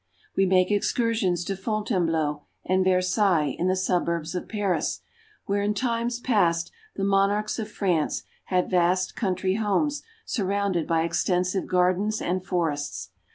We make excursions to Fontainebleau and Versailles in the suburbs of Paris, where in times past the monarchs of France had vast country homes surrounded by extensive gardens and forests.